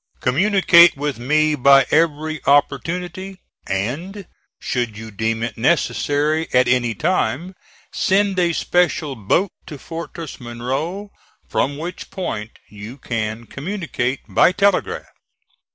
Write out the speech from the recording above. Communicate with me by every opportunity, and should you deem it necessary at any time, send a special boat to Fortress Monroe, from which point you can communicate by telegraph.